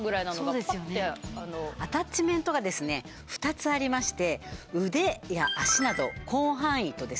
アタッチメントがですね２つありまして腕や脚など広範囲とですね